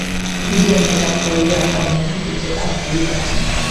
যদিই অনুতাপ করিবার কারণ ঘটিত তাহাতেই বা কী?